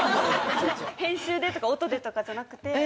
編集でとか音でとかじゃなくて。